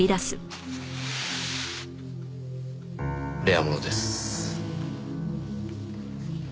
レアものです。